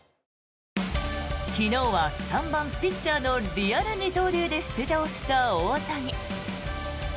昨日は３番ピッチャーのリアル二刀流で出場した大谷。